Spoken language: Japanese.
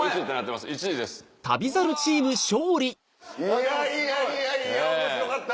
いやいやいやいや面白かった。